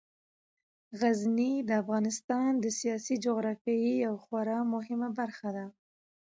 غزني د افغانستان د سیاسي جغرافیې یوه خورا مهمه برخه ده.